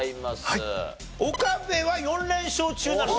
岡部は４連勝中なのか。